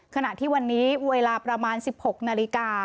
ขณะที่วันนี้เวลาประมาณ๑๖นาฬิกา